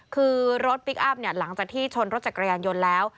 คือรถพลิกอัพหลังจากที่ชนรถจักรยานยนต์แล้ว